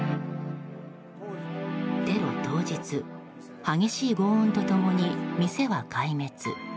テロ当日激しい轟音と共に店は壊滅。